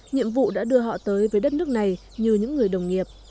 nhiệm vụ đã đưa họ tới với đất nước này như những người đồng nghiệp